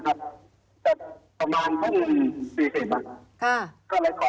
ก็เลยขอโทษกลับบ้านก็ขี่น้องกลับมาบ้านแล้ว